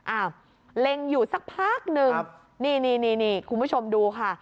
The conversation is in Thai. เล็งอยู่สักพักหนึ่งนี่นี่คุณผู้ชมดูค่ะ